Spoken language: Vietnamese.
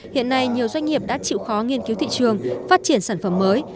hiện nay nhiều doanh nghiệp đã chịu khó nghiên cứu thị trường phát triển sản phẩm mới